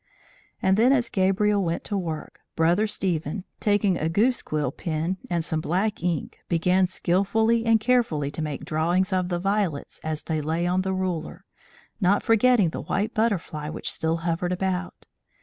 And then as Gabriel went to work, Brother Stephen, taking a goose quill pen and some black ink, began skilfully and carefully to make drawings of the violets as they lay on the ruler, not forgetting the white butterfly which still hovered about.